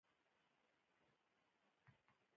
د هندوکش د ساتنې لپاره قوانین شته.